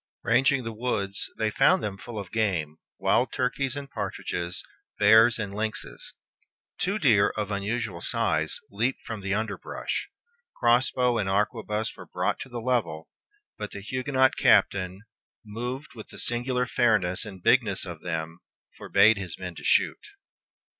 Ranging the woods, they found them full of game, wild turkeys and partridges, bears and lynxes. Two deer, of unusual size, leaped from the underbrush. Cross bow and arquebuse were brought to the level; but the Huguenot captain, "moved with the singular fairness and bigness of them," forbade his men to shoot.